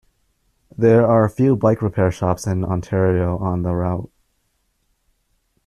There are few bike repair shops in Ontario on the route.